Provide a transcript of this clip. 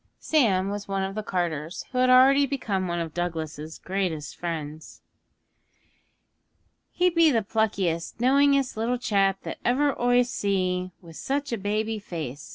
Sam was one of the carters, who had already become one of Douglas's greatest friends. 'He be the pluckiest, knowingest little chap that ever oi see wi' such a baby face!'